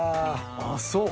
あっそう。